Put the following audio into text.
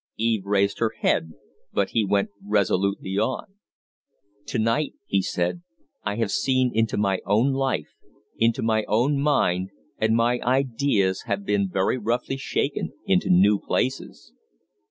Eve raised her head, but he went resolutely on. "To night," he said, "I have seen into my own life, into my own mind, and my ideas have been very roughly shaken into new places.